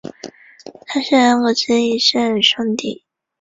他是安格斯一世的兄弟。